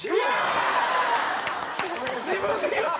自分で言った！